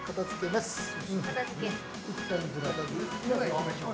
ではいきましょう。